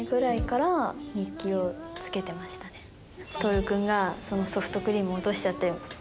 「透君がそのソフトクリーム落としちゃって。